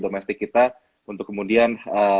domestik kita untuk kemudian